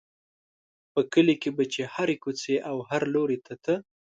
په کلي کې به چې هرې کوڅې او هر لوري ته ته.